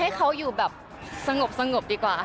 ให้เขาอยู่แบบสงบดีกว่า